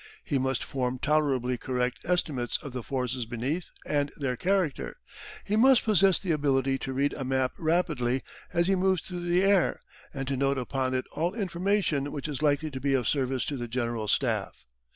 He must form tolerably correct estimates of the forces beneath and their character. He must possess the ability to read a map rapidly as he moves through the air and to note upon it all information which is likely to be of service to the General Staff.